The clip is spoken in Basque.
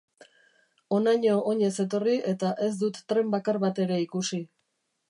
Honaino oinez etorri eta ez dut tren bakar bat ere ikusi.